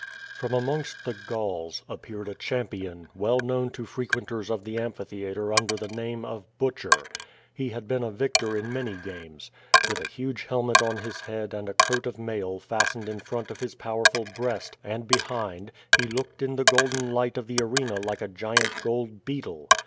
) From amongst the Gauls, appeared a champion, well knowj* to frequenters of the amphitheatre under the name ot Butcher." lie had been a victor in many games. With ik huge helmet on his head and a coat of mail fastened in front ^n of iiis powerful breast, and behind, he looked in the golden 1 light of the arena like a giant gold beetle.